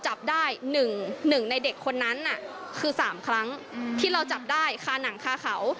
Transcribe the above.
ทางร้านเลยบอกว่าครั้งนี้เรียกให้มันสูงไปเลย